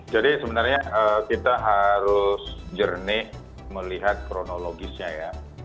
jadi sebenarnya kita harus jernih melihat kronologisnya ya